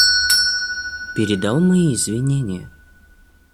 Передал мои извинения?